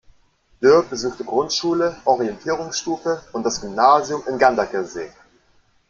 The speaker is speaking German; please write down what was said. Dürr besuchte Grundschule, Orientierungsstufe und das Gymnasium in Ganderkesee.